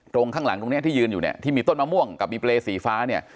ตรงข้างหลังตรงนี้ที่ยืนอยู่เนี่ยที่มีต้นมะม่วงกับมีเปรย์สีฟ้าเนี่ย